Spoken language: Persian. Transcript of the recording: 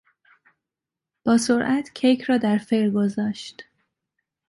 با سرعت کیک را در فر گذاشت.